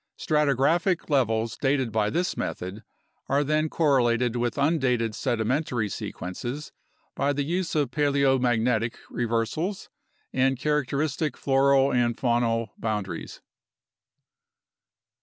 Stratigraphic levels dated by this method are then correlated with undated sedimentary sequences by the use of paleomagnetic reversals and characteristic floral and faunal boundaries.